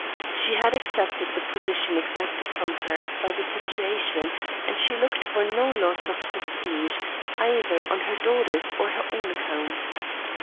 She had accepted the position exacted from her by the situation, and she looked for no loss of prestige, either on her daughter's or her own account.